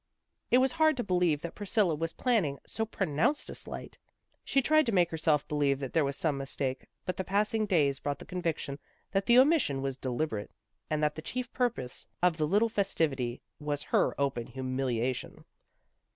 It was hard to believe that Priscilla was planning so pronounced a slight. She tried to make herself believe that there was some mistake, but the passing days brought the conviction that the omission was deliberate, and that the chief purpose of the little festivity was her open humiliation.